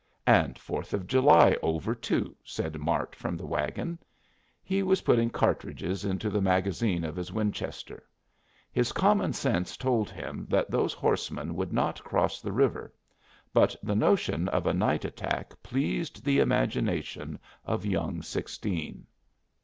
"And Fourth of July over too," said Mart from the wagon. He was putting cartridges into the magazine of his Winchester. His common sense told him that those horsemen would not cross the river, but the notion of a night attack pleased the imagination of young sixteen.